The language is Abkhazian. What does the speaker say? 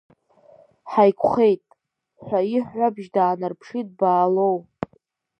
Ҳаиқәхеит, ҳәа иҳәҳәабжь даанарԥшит Баалоу.